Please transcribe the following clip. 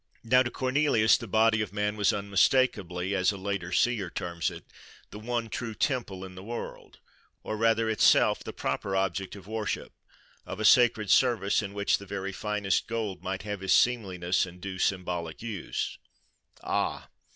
Now to Cornelius the body of man was unmistakeably, as a later seer terms it, the one true temple in the world; or rather itself the proper object of worship, of a sacred service, in which the very finest gold might have its seemliness and due symbolic use:—Ah!